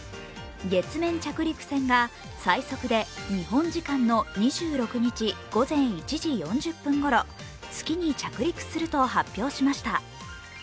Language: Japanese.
月面着陸船が最速で日本時間の２６日午前１時４０分ごろ月に着陸すると発表しました。